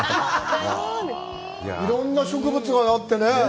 いろんな植物がなってね。